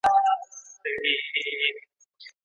لا لکه غر پر لمن کاڼي لري